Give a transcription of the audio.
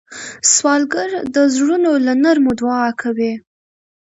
سوالګر د زړونو له نرمو دعا کوي